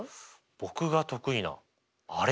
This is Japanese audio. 僕が得意なあれ？